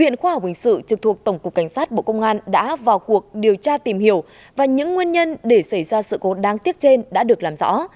nghị sự trực thuộc tổng cục cảnh sát bộ công an đã vào cuộc điều tra tìm hiểu và những nguyên nhân để xảy ra sự cố đáng tiếc trên đã được làm rõ